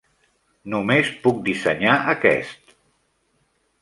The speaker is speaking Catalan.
Només puc dissenyar aquest.